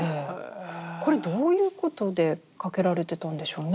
これどういうことで掛けられてたんでしょうね？